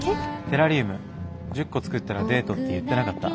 テラリウム１０個作ったらデートって言ってなかった？